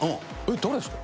誰っすか？